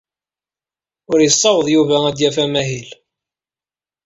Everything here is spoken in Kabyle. Ur yessaweḍ Yuba ad d-yaf amahil.